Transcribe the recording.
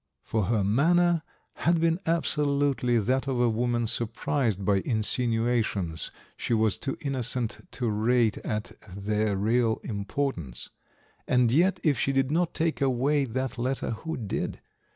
For her manner had been absolutely that of a woman surprised by insinuations she was too innocent to rate at their real importance; and yet if she did not take away that letter who did?